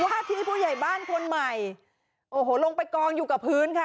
ว่าที่ผู้ใหญ่บ้านคนใหม่โอ้โหลงไปกองอยู่กับพื้นค่ะ